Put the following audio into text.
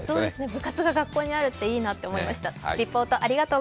部活が学校にあるっていいなと思いました。